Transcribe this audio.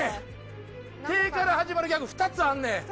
「て」から始まるギャグ２つあんねん。